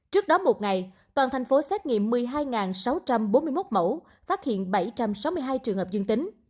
trước đó một ngày toàn thành phố xét nghiệm một mươi hai sáu trăm bốn mươi một mẫu phát hiện bảy trăm sáu mươi hai trường hợp dương tính